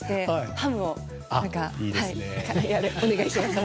ハムをお願いしましたね。